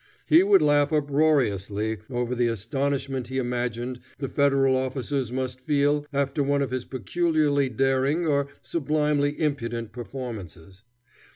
He would laugh uproariously over the astonishment he imagined the Federal officers must feel after one of his peculiarly daring or sublimely impudent performances.